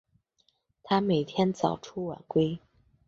他每天早出晚归